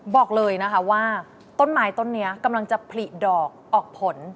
บอกเลยนะคะว่าต้นไม้ต้นนี้กำลังจะผลิดอกออกผล